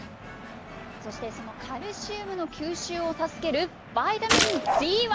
そしてそのカルシウムの吸収を助けるビタミンＤは？